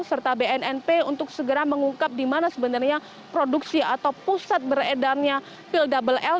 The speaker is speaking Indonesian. serta bnnp untuk segera mengungkap di mana sebenarnya produksi atau pusat beredarnya pil double l